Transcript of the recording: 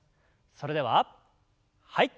それでははい。